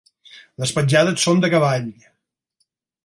Les petjades són de cavall.